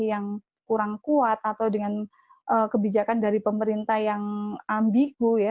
dengan pemerintah yang kurang kuat atau dengan kebijakan dari pemerintah yang ambigu